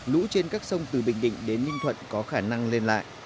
lũ trên các sông từ bình định đến ninh thuận có khả năng lên lại